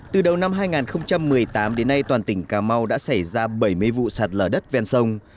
từ đầu năm hai nghìn một mươi tám đến nay toàn tỉnh cà mau đã xảy ra bảy mươi vụ sạt lở đất ven sông